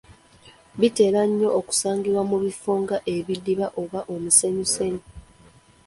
Bitera nnyo okusangibwa mu bifo nga ebidiba oba mu musenyusenyu.